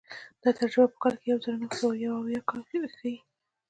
دا تجربه په کال یو زر نهه سوه یو اویا کې ښيي.